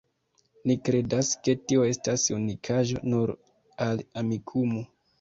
Ni kredas, ke tio estas unikaĵo nur al Amikumu.